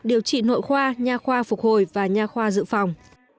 điều trị nội khoa nhà khoa phục hồi và nhà khoa dự phòng